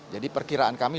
jadi perkiraan kami